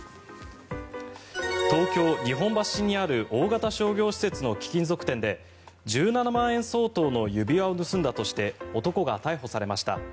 東京・日本橋にある大型商業施設の貴金属店で１７万円相当の指輪を盗んだとして男が逮捕されました。